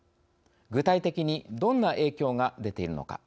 具体的にどんな影響が出ているのか。